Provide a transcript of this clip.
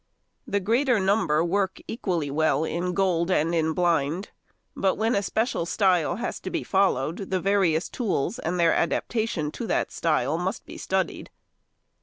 The greater number work equally well in gold and in blind, but when a special style has to be followed the various tools and their adaptation to that style must be studied.